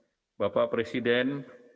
saya ditugasi bapak presiden